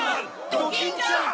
ドキンちゃん！